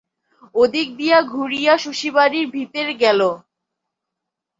ওদিক দিয়া ঘুরিয়া শশী বাড়ির ভিতের গেল।